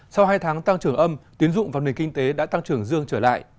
sau hai tháng tăng trưởng âm tiến dụng vào nền kinh tế đã tăng trưởng dương trở lại